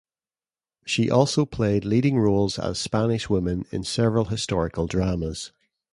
She also played leading roles as Spanish women in several historical dramas.